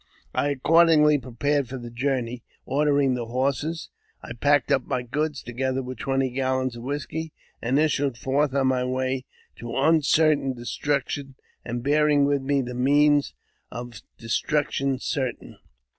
I accordingly prepared for the journey. Ordering the h«rses, I packed up my goods, together with twenty gallons of whisky, and issued forth on the way to uncertain destruction, and bearing with me the means of destruction certain.